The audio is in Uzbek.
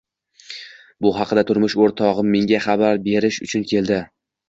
Bu haqida turmush o`rtog`im menga xabar berish uchun keldi